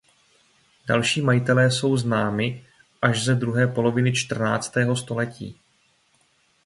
Další majitelé jsou známi až ze druhé poloviny čtrnáctého století.